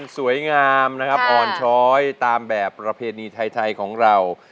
สวัสดีครับ